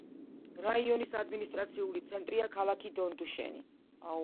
რაიონის ადმინისტრაციული ცენტრია ქალაქი დონდუშენი.